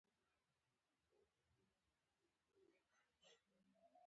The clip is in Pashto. د پلونو، سړکونو او ودانیو په جوړولو کې څارنه اړینه ده.